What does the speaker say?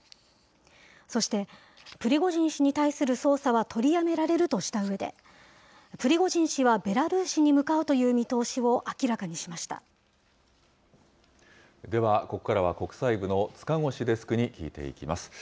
そして、プリゴジン氏に対する捜査は取りやめられるとしたうえで、プリゴジン氏はベラルーシに向かうという見通しを明らかにしましでは、ここからは国際部の塚越デスクに聞いていきます。